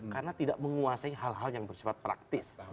karena tidak menguasai hal hal yang bersifat praktis